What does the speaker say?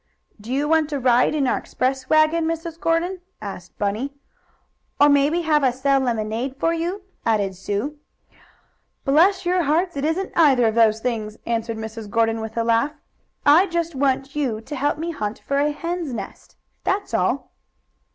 "Do you want a ride in our express wagon, Mrs. Gordon?" asked Bunny. "Or maybe have us sell lemonade for you?" added Sue. "Bless your hearts! It isn't either of those things," answered Mrs. Gordon, with a laugh. "I just want you to help me hunt for a hen's nest. That's all."